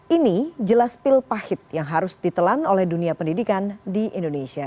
ini jelas pil pahit yang harus ditelan oleh dunia pendidikan di indonesia